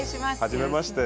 はじめまして。